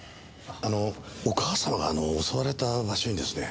あのお母様が襲われた場所にですね